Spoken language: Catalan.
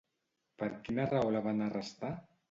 Per quina raó la van arrestar?